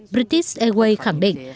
british airways khẳng định